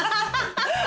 ハハハハ。